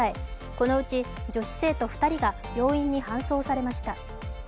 このうち女子生徒２人が病院に搬送されました。